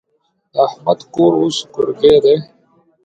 د احمد کور اوس کورګی دی.